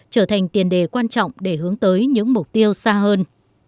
trở thành tiền đề quan trọng để hướng tới những mục tiêu xa hơn